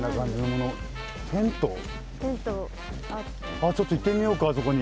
あっちょっと行ってみようかあそこに。